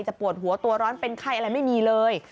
ปวดหัวตัวร้อนเป็นไข้อะไรไม่มีเลย